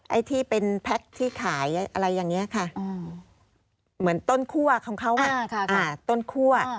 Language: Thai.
ไอ้ที่เป็นแพ็คที่ขายอะไรอย่างนี้ค่ะเหมือนต้นคั่วของเขาต้นคั่ว